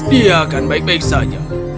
dia akan baik baik saja